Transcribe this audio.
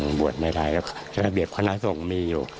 ยังบวชไม่ได้แล้วระเบียบคณะสงฆ์ไม่อยู่